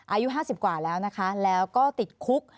อายุ๕๐กว่าแล้วนะคะแล้วก็ติดคุก